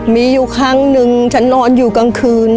มีอยู่ครั้งหนึ่งฉันนอนอยู่กลางคืน